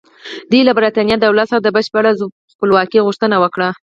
دوی له برېټانیا دولت څخه د بشپړې خپلواکۍ غوښتنه وکړه.